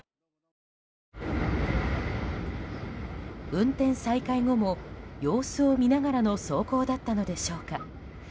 運転再開後も様子を見ながらの走行だったのでしょうか。